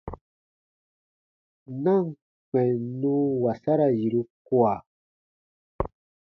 Na ǹ kpɛ̃ n nun wasara yiru kua.